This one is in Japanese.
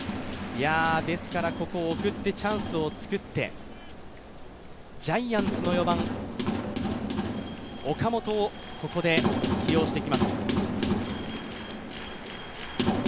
ですからここは送ってチャンスを作って、ジャイアンツの４番・岡本をここで起用してきます。